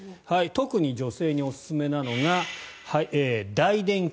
特に女性におすすめなのが大殿筋。